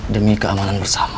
demi keamanan bersama